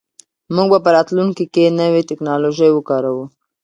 موږ به په راتلونکي کې نوې ټیکنالوژي وکاروو.